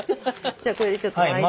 じゃあこれちょっと巻いて。